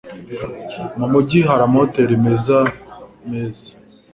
Mu mujyi hari amahoteri meza meza.